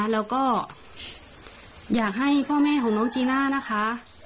แล้วก็อยากให้พ่อแม่ของน้องจีน่านะคะ